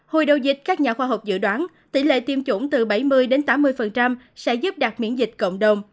hồi đầu dịch các nhà khoa học dự đoán tỷ lệ tiêm chủng từ bảy mươi đến tám mươi sẽ giúp đạt miễn dịch cộng đồng